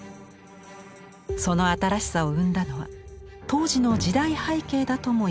その新しさを生んだのは当時の時代背景だともいわれています。